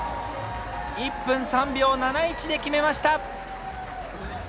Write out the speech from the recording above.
１分３秒７１で決めました！